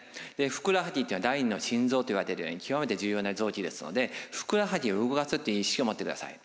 ふくらはぎというのは第二の心臓といわれているように極めて重要な臓器ですのでふくらはぎを動かすという意識をもってください。